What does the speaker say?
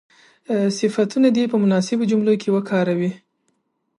صفتونه دې په مناسبو جملو کې وکاروي.